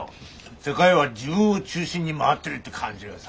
世界は自分を中心に回ってるって感じがさ。